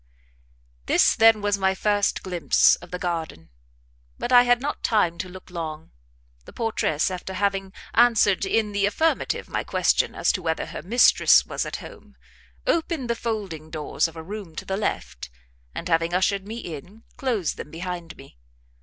This, then, was my first glimpse of the garden; but I had not time to look long, the portress, after having answered in the affirmative my question as to whether her mistress was at home, opened the folding doors of a room to the left, and having ushered me in, closed them behind me.